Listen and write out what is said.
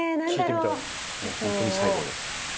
もう本当に最後です。